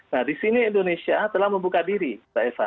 nah di sini indonesia telah membuka diri pak esa